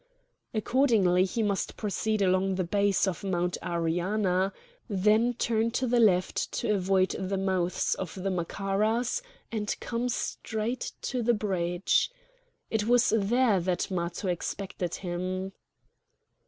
Accordingly he must proceed along the base of Mount Ariana, then turn to the left to avoid the mouths of the Macaras, and come straight to the bridge. It was there that Matho expected him.